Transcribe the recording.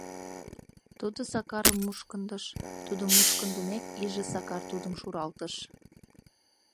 Тудо Сакарым мушкындыш, тудо мушкындымек иже Сакар тудым шуралтыш...